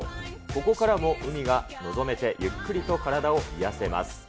ここからも海が臨めてゆっくりと体を癒やせます。